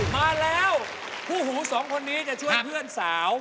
มาแล้วคู่หูสองคนนี้จะช่วยเพื่อนสาว